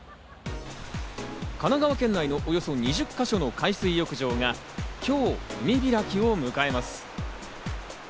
神奈川県内のおよそ２０か所の海水浴場が今日、海開きを迎えます。